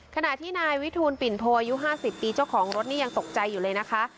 ขณะที่นายวิทูลปิ่นโพอายุ๕๐ปีเจ้าของรถนี่ยังตกใจอยู่เลยนะคะ